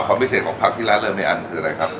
พิเศษของผักที่ร้านเริ่มในอันคืออะไรครับ